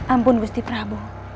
ampun gusti prabu